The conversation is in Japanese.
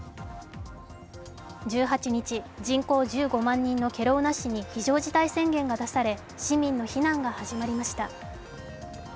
１８日、人口１５万人のケロウナ市に緊急事態宣言が出され市民の避難が始まりました。